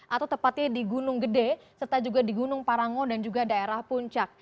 atau tepatnya di gunung gede serta juga di gunung parango dan juga daerah puncak